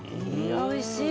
おいしい！